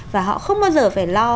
và họ không bao giờ phải lo